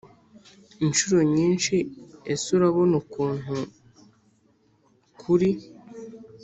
incuro nyinshi ese urabona ukuntu kuri